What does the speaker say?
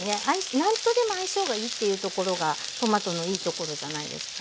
何とでも相性がいいっていうところがトマトのいいところじゃないですかね。